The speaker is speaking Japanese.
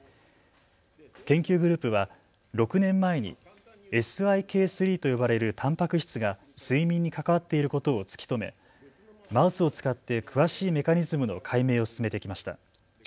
研究グループは６年前にＳＩＫ３と呼ばれるたんぱく質が睡眠に関わっていることを突き止め、マウスを使って詳しいメカニズムの解明を進めてきました。